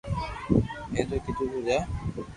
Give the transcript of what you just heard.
اينآ ڪيدو تو جا